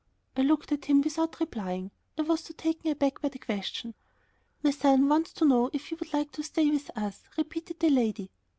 I looked at him without replying; I was so taken back by the question. "My son wants to know if you would like to stay with us?" repeated the lady.